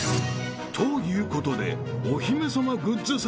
［ということで］